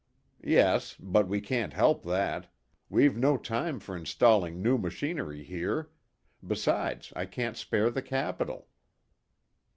"Yes. But we can't help that. We've no time for installing new machinery here. Besides, I can't spare the capital."